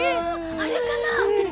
あれかなあ？